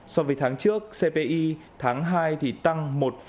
so với tháng trước cpi tháng hai tăng một